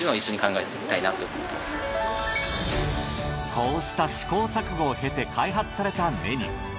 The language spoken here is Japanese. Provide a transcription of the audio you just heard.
こうした試行錯誤を経て開発されたメニュー。